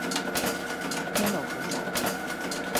一路好走